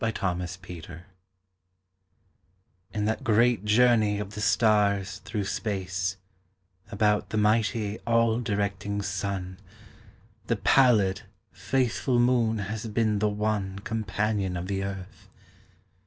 A SOLAR ECLIPSE In that great journey of the stars through space About the mighty, all directing Sun, The pallid, faithful Moon has been the one Companion of the Earth.